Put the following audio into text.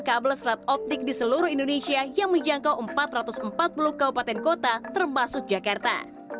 kabel serat optik di seluruh indonesia yang menjangkau empat ratus empat puluh kabupaten kota termasuk jakarta